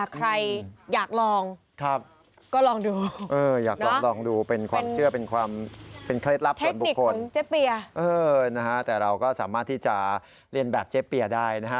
ใครอยากลองก็ลองดูเนาะเป็นเคล็ดลับส่วนบุคคลแต่เราก็สามารถที่จะเรียนแบบเจ๊เปียได้นะฮะ